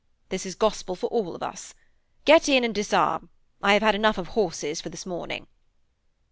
That is gospel for all of us. Get in and disarm. I have had enough of horses for the morning.'